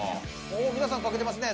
おっ皆さん書けてますね。